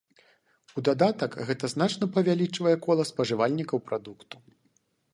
У дадатак гэта значна павялічвае кола спажывальнікаў прадукту.